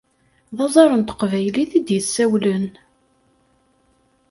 D aẓaṛ n teqbaylit i d-yessawlen!